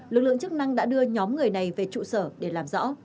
lực lượng chức năng đã đưa nhóm người này về trụ sở để làm rõ